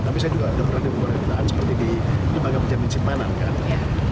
tapi saya juga ada pernah di pemerintahan seperti di lembaga penjamin simpanan kan